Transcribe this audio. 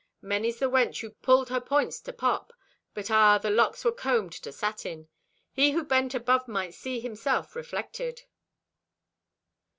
_—"Many's the wench who pulled her points to pop. But ah, the locks were combed to satin! He who bent above might see himself reflected."